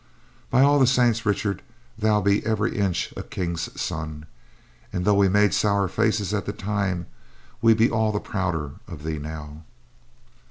"By all the saints, Richard, thou be every inch a King's son, an' though we made sour faces at the time, we be all the prouder of thee now."